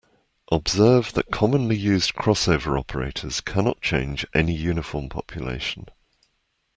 Observe that commonly used crossover operators cannot change any uniform population.